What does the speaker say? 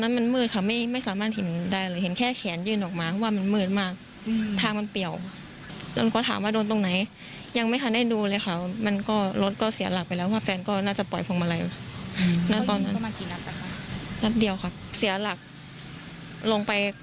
นัดเดียวค่ะเสียหลักลงไปข้ามคลองไปอีกฝั่งหนึ่งเลยค่ะ